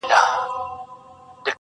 تشي کیسې د تاریخونو کوي-